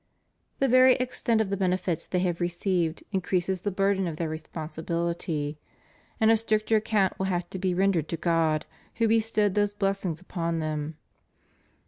The very extent of the benefits they have received increases the burden of their responsibility, and a stricter account will have to be rendered to God who bestowed those blessings upon them.